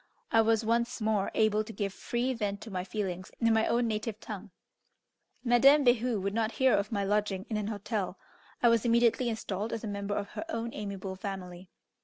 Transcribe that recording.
I was once more able to give free vent to my feelings in my own native tongue. Madame Behu would not hear of my lodging in an hotel; I was immediately installed as a member of her own amiable family.